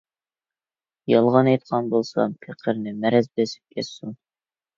يالغان ئېيتقان بولسام، پېقىرنى مەرەز بېسىپ كەتسۇن.